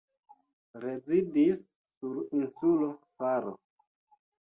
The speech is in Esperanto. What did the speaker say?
Rezidis sur insulo Faro.